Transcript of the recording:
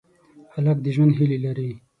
هلک د ژوند هیلې لري.